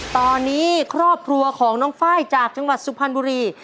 ตอนนี้ครอบครัวของน้องไฟล์จากจังหวัดสุพรรณบุรี